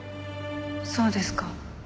そうですか。